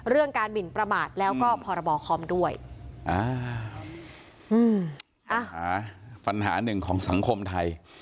การหมินประมาทแล้วก็พรบคอมด้วยอ่าอืมปัญหาหนึ่งของสังคมไทย